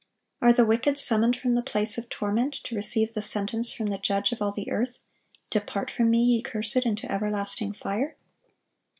Are the wicked summoned from the place of torment to receive the sentence from the Judge of all the earth, "Depart from Me, ye cursed, into everlasting fire"?